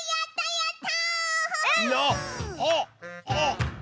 やった！